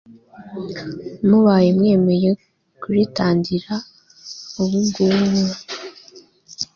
mubaye mwemeye kuritangira ubungubu